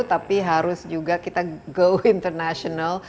tapi harus juga kita go international